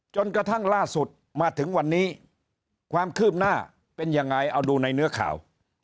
จนกระทั่งล่าสุดมาถึงวันนี้ความคืบหน้าเป็นยังไงเอาดูในเนื้อข่าว